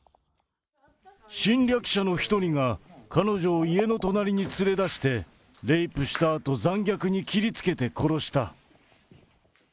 侵略者の１人が彼女を家の隣に連れ出して、レイプしたあと、残虐に切りつけて殺した。